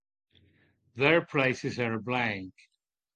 Their places are a blank.